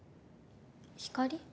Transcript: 光？